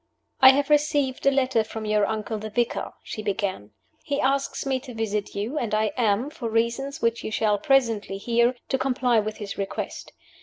"I have received a letter from your uncle the vicar," she began. "He asks me to visit you, and I am happy for reasons which you shall presently hear to comply with his request.